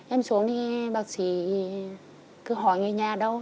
em xuống thì bác sĩ cứ hỏi người nhà đâu